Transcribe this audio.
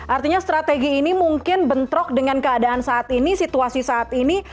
artinya strategi ini mungkin bentrok dengan keadaan saat ini situasi saat ini